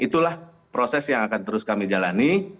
itulah proses yang akan terus kami jalani